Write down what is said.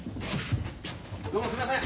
どうもすいません。